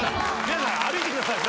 皆さん歩いてください